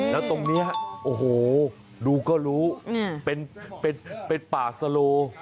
แล้วตรงนี้โอ้โหดูก็รู้เป็นป่าสโล